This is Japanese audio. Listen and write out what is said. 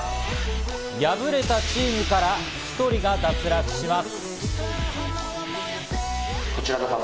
敗れたチームから１人が脱落します。